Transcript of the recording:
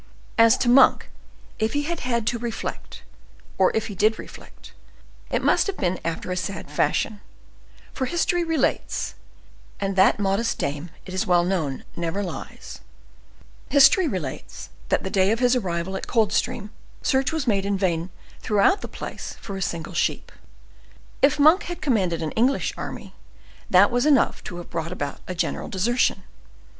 As to Monk, if he had had to reflect, or if he did reflect, it must have been after a sad fashion, for history relates—and that modest dame, it is well known, never lies—history relates, that the day of his arrival at Coldstream search was made in vain throughout the place for a single sheep. If Monk had commanded an English army, that was enough to have brought about a general desertion.